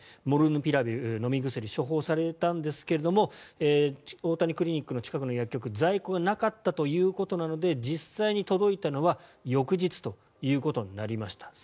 モルヌピラビル、飲み薬を処方されたんですけど大谷クリニックの近くの薬局に在庫がなかったので実際に届いたのは翌日ということになりました。